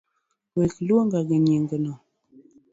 Wek luonga gi nyingno